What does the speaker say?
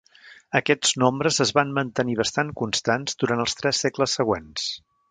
Aquests nombres es van mantenir bastant constants durant els tres segles següents.